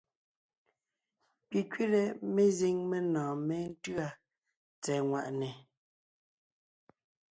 Pi kẅile mezíŋ menɔ̀ɔn méntʉ́a tsɛ̀ɛ ŋwàʼne.